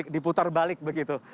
diputar balik begitu